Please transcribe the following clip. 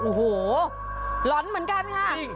โอ้โหร้อนเหมือนกันนะครับ